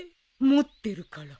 持ってるから。